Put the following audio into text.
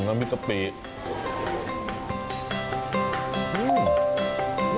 น้ำพริกกะปิ